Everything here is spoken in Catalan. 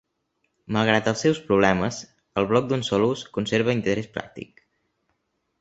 Malgrat els seus problemes, el bloc d'un sol ús conserva interès pràctic.